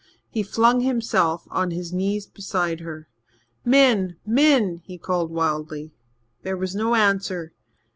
He flung himself on his knees beside her. "Min! Min!" he called wildly. There was no answer.